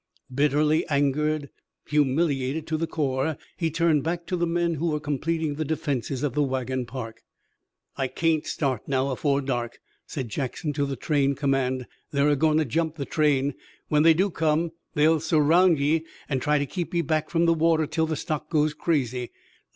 Bitterly angered, humiliated to the core, he turned back to the men who were completing the defenses of the wagon park. "I kain't start now afore dark," said Jackson to the train command. "They're a goin' to jump the train. When they do come they'll surround ye an' try to keep ye back from the water till the stock goes crazy.